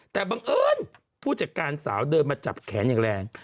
แต่บังเอิญผู้จัดการสาวเดินมาจับแขนอย่างแรง